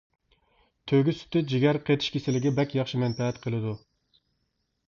تۆگە سۈتى جىگەر قېتىش كېسىلىگە بەك ياخشى مەنپەئەت قىلىدۇ.